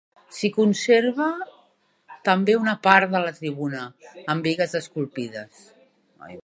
S'hi conserva també una part de la tribuna, amb bigues esculpides.